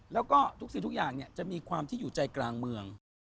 แล้วก็ทุกสิ่งทุกอย่างจะมีความที่อยู่ใจกลางเมือง